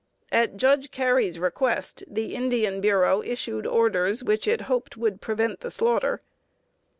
At Judge Carey's request the Indian Bureau issued orders which it was hoped would prevent the slaughter.